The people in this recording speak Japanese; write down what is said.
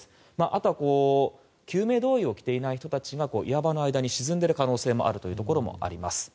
あとは救命胴衣を着ていない人たちが岩場の間に沈んでいる可能性もあるというところもあります。